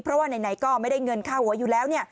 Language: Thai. เพราะว่าไหนก็ไม่ได้เงินค่าหัวอยู่แล้ว